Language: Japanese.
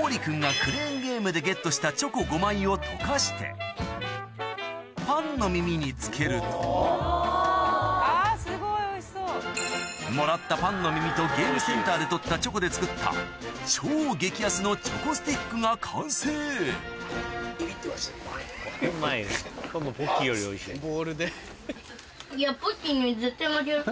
おうり君がクレーンゲームでゲットしたチョコ５枚を溶かしてパンの耳に付けるともらったパンの耳とゲームセンターで取ったチョコで作った超激安のチョコスティックが完成ポッキーには絶対負けるって。